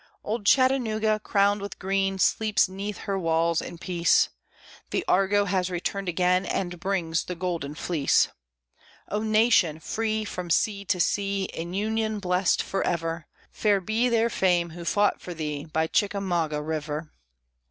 Old Chattanooga, crowned with green, Sleeps 'neath her walls in peace; The Argo has returned again, And brings the Golden Fleece. O nation! free from sea to sea, In union blessed forever, Fair be their fame who fought for thee By Chickamauga River.